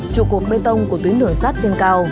trụ cột bê tông của tuyến đường sắt trên cao